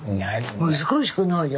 難しくないよ。